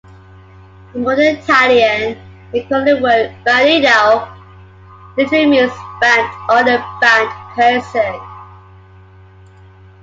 In modern Italian the equivalent word "bandito" literally means banned or a banned person.